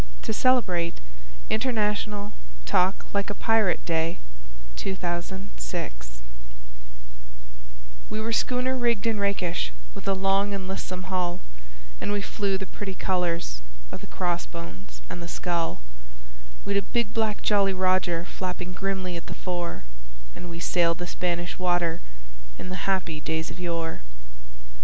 A BALLAD OF JOHN SILVER 7i A BALLAD OF JOHN SILVER We were schooner rigged and rakish, with a long and lissome hull, And we flew the pretty colours of the cross bones and the skull; We'd a big black Jolly Roger flapping grimly at the fore, And we sailed the Spanish Water in the happy days of yore.